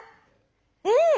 うん！